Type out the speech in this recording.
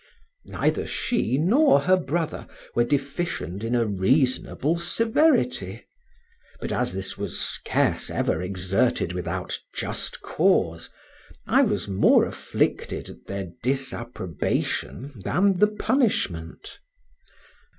Neither she nor her brother were deficient in a reasonable severity, but as this was scarce ever exerted without just cause, I was more afflicted at their disapprobation than the punishment.